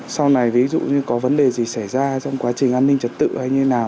sau này ví dụ như có vấn đề gì xảy ra trong quá trình an ninh trật tự hay như nào